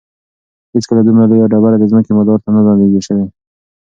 هیڅکله دومره لویه ډبره د ځمکې مدار ته نه ده نږدې شوې.